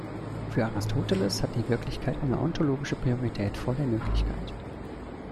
Für Aristoteles hat die Wirklichkeit eine ontologische Priorität vor der Möglichkeit.